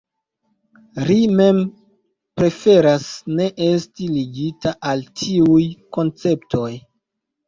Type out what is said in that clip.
Ri mem preferas ne esti ligita al tiuj konceptoj.